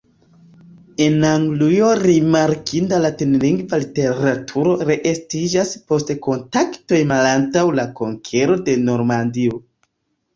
En Anglujo rimarkinda latinlingva literaturo reestiĝas post kontaktoj malantaŭ la konkero de Normandio.